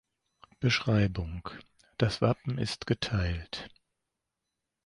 Beschreibung: Das Wappen ist geteilt.